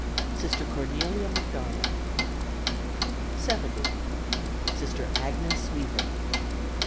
Sister Cornelia McDonnell. 70. Sister Agnes Weaver.